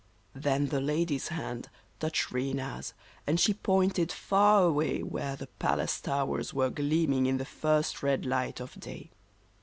Then the lady's hand touched Rena's, and she pointed far away, Where the palace towers were gleaming in the first red light of day.